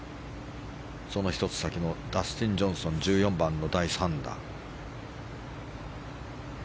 その１つ先のダスティン・ジョンソン１４番の第３打。